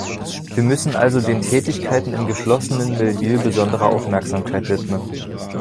Wir müssen also den Tätigkeiten im geschlossenen Milieu besondere Aufmerksamkeit widmen.